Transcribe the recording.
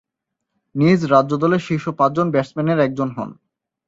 নিজ রাজ্য দলের শীর্ষ পাঁচজন ব্যাটসম্যানের একজন হন।